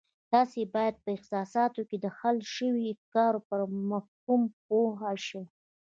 تاسې بايد په احساساتو کې د حل شويو افکارو پر مفهوم پوه شئ.